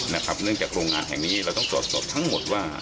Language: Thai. เนื่องจากโรงงานแห่งนี้เราต้องตรวจสอบทั้งหมดว่า